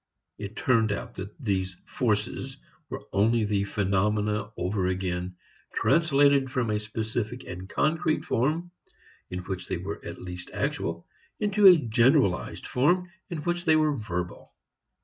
It turned out that these "forces" were only the phenomena over again, translated from a specific and concrete form (in which they were at least actual) into a generalized form in which they were verbal.